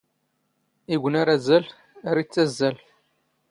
ⵉⴳⵯⵏ ⴰⵔ ⴰⵣⴰⵍ, ⴰⵔ ⵉⵜⵜⴰⵣⵣⴰⵍ.